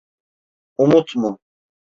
Umut mu?